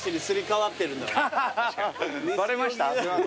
バレました？